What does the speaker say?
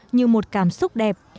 như một cảm xúc đẹp